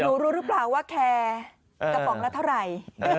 รู้หรือเปล่าว่าแคร์กระป๋องละเท่าไหร่